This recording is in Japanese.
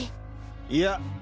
いや。